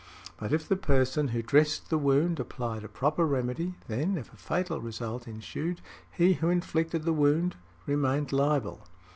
But, if the person who dressed the wound applied a proper remedy, then, if a fatal result ensued, he who inflicted the wound remained liable."